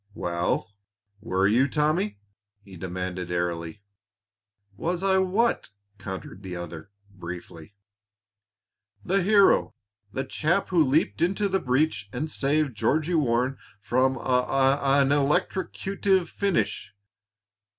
"Well, were you, Tommy!" he demanded airily. "Was I what?" countered the other, briefly. "The hero the chap who leaped into the breach and saved Georgie Warren from a a an electrocutive finish."